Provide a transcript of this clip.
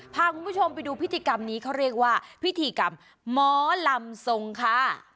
พาคุณผู้ชมไปดูพิธีกรรมนี้เขาเรียกว่าพิธีกรรมหมอลำทรงค่ะ